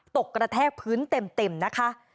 กระแทกพื้นเต็มนะคะ